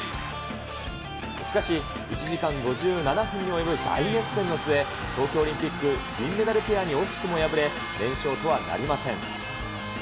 しかし、１時間５７分に及ぶ大熱戦の末、東京オリンピック銀メダルペアに惜しくも敗れ、連勝とはなりません。